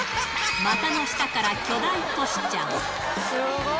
股の下から巨大トシちゃん。